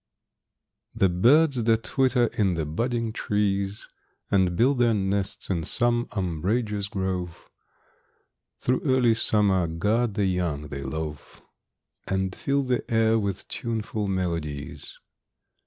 The birds that twitter in the budding trees And build their nests in some umbrageous grove, Through early summer guard the young they love, And fill the air with tuneful melodies.